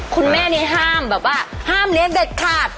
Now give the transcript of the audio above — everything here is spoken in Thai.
คุณแม่นี้ห้ามแบบว่าห้ามเลี้ยงเด็ดขาด